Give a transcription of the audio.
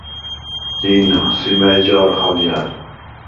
დი̄ნა, სი მა̈ჲ ჯა̄რხ ალჲა̈რ?